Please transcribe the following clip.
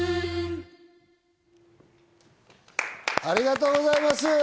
ありがとうございます。